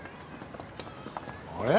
あれ？